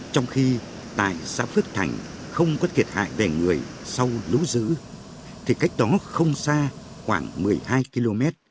trong khi tại xã phước thành không có thiệt hại về người sau lũ dữ thì cách đó không xa khoảng một mươi hai km